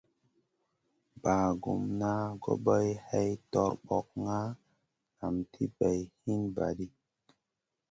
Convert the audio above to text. Bagumna gobay hay torbokna nam ti bay hin va ɗi.